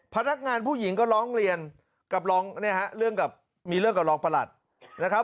พนักงานผู้หญิงก็ร้องเรียนกับรองเนี่ยฮะเรื่องกับมีเรื่องกับรองประหลัดนะครับ